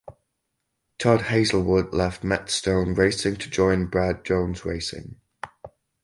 Todd Hazelwood left Matt Stone Racing to join Brad Jones Racing.